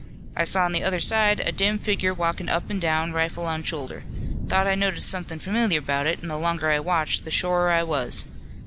I saw on the other side a dim figure walkin' up an' down, rifle on shoulder. Thought I noticed something familiar about it, an' the longer I watched the shorer I was.